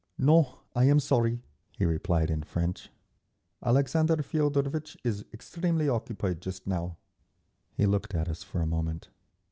"No, I am sorry," he replied in French. "Alexander Feodorvitch is extremely occupied just now…." He looked at us for a moment.